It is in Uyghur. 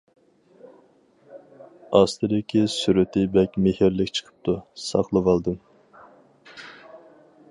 ئاستىدىكى سۈرىتى بەك مېھىرلىك چىقىپتۇ، ساقلىۋالدىم.